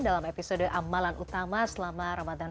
dalam episode amalan utama selama ramadan